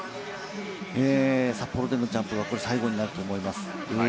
札幌でのジャンプはこれが最後になると思います。